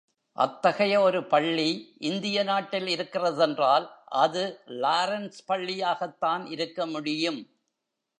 அத்தகைய ஒரு பள்ளி இந்திய நாட்டில் இருக்கிற தென்றால், அது லாரென்ஸ் பள்ளியாகத்தான் இருக்க முடியும்.